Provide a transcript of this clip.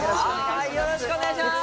よろしくお願いします